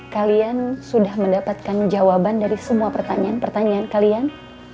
kalian sudah mendapatkan jawaban dari semua pertanyaan pertanyaan kalian